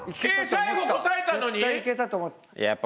最後答えたのに！？